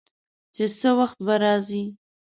چې څه وخت به راځي.